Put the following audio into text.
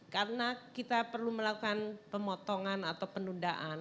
karena kita perlu melakukan pemotongan atau penundaan